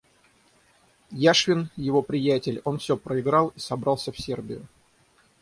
Яшвин — его приятель — он всё проиграл и собрался в Сербию.